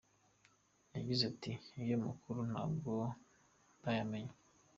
Yagize ati "Ayo makuru ntabwo ndayamenya.